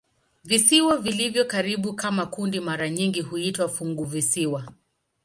Visiwa vilivyo karibu kama kundi mara nyingi huitwa "funguvisiwa".